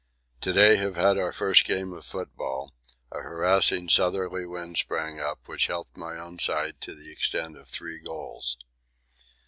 To day have had our first game of football; a harassing southerly wind sprang up, which helped my own side to the extent of three goals.